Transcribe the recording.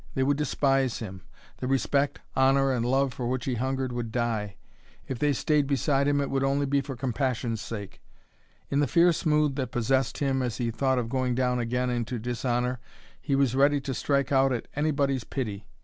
They would despise him. The respect, honor, and love for which he hungered would die; if they stayed beside him it would only be for compassion's sake. In the fierce mood that possessed him as he thought of going down again into dishonor he was ready to strike out at anybody's pity.